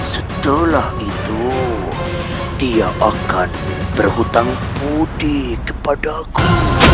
setelah itu dia akan berhutang budi kepadaku